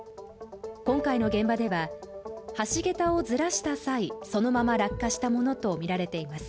今回の現場では、橋桁をずらした際そのまま落下したものとみられています。